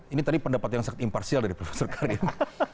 ini tadi pendapat yang sangat imparsial dari prof karim